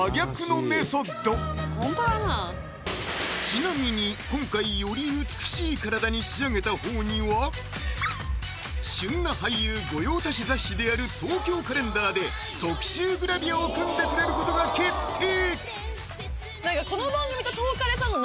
ちなみに今回旬な俳優御用達雑誌である「東京カレンダー」で特集グラビアを組んでくれることが決定！